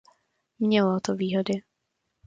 Mělo to výhody.